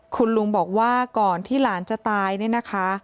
คุณลุงบอกว่าก่อนที่หลานจะตายเนี่ยนะคะ